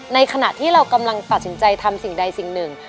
ขณะที่เรากำลังตัดสินใจทำสิ่งใดสิ่งหนึ่ง